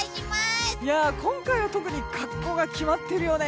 今回は特に格好が決まっているよね。